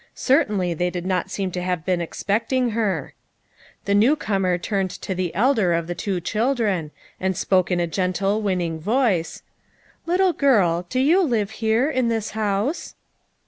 Certainly they did not seem to have been expecting her. The new comer turned to the elder of the two children, and spoke in a gentle winning voice : "Little girl, do you live here in this house?"